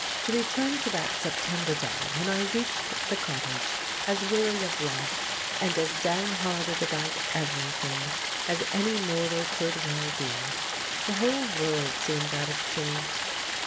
To return to that September day when I reached the cottage as weary of life and as downhearted about everything as any mortal could well be. The whole world seemed out of joint.